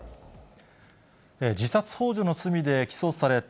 自殺ほう助の罪で起訴された